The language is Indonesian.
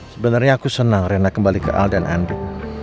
sebenarnya aku senang rena kembali ke al dan andi